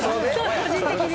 個人的にね。